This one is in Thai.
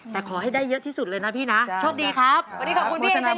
โชคดีครับโปรดสนามวุฒิค่ะโปรดสนามวุฒิค่ะโปรดสนามวุฒิค่ะวันนี้ขอบคุณพี่เอชยามิชัยค่ะ